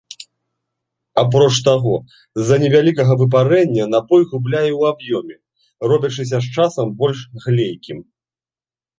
Апроч таго, з-за невялікага выпарэння напой губляе ў аб'ёме, робячыся з часам больш глейкім.